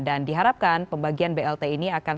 dan diharapkan pembagian blt ini akan